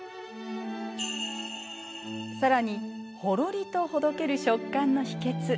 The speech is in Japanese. さらに、ほろりとほどける食感の秘けつ。